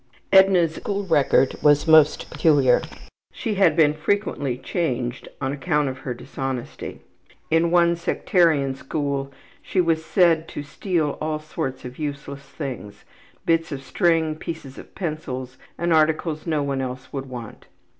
Edna's school record was most peculiar. She had been frequently changed on account of her dishonesty. In one sectarian school she was said to steal all sorts of useless things bits of string, pieces of pencils, and articles no one else would want.